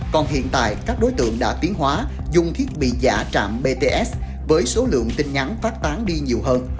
còn hiện tại các đối tượng đã tiến hóa dùng thiết bị giả trạm bts với số lượng tin nhắn phát tán đi nhiều hơn